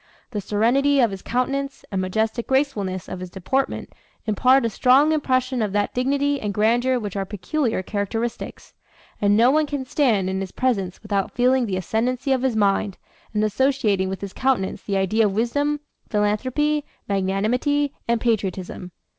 The serenity of his countenance, and majestic gracefulness of his deportment impart a strong impression of that dignity and grandeur which are peculiar characteristics; and no one can stand in his presence without feeling the ascendancy of his mind, and associating with his countenance the idea of wisdom, philanthropy, magnanimity, and patriotism.